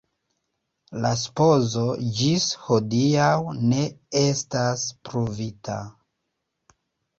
La supozo ĝis hodiaŭ ne estas pruvita.